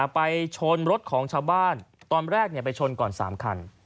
ไปชนรถของชาวบ้านตอนแรกไปชนก่อน๓คัน